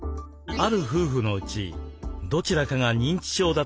ある夫婦のうちどちらかが認知症だった場合。